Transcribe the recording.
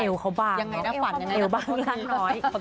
เอวเขาบ้างรักน้อย